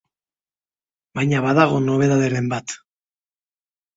Baina badago nobedaderen bat.